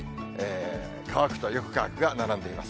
乾くとよく乾くが並んでいます。